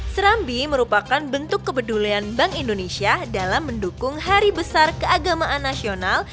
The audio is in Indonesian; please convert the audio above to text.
serambi merupakan bentuk kepedulian bank indonesia dalam mendukung hari besar keagamaan nasional